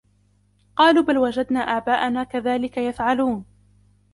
قَالُوا بَلْ وَجَدْنَا آبَاءَنَا كَذَلِكَ يَفْعَلُونَ